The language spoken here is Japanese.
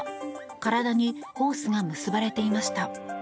体にホースが結ばれていました。